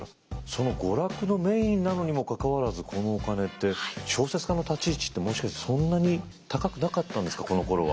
その娯楽のメインなのにもかかわらずこのお金って小説家の立ち位置ってもしかしてそんなに高くなかったんですかこのころは。